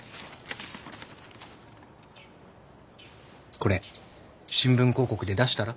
これ新聞広告で出したら？